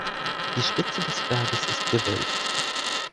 Die Spitze des Berges ist gewölbt.